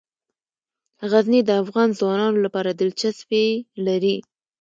غزني د افغان ځوانانو لپاره دلچسپي لري.